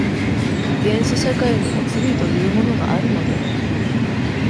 原始社会にも罪というものがあるのである。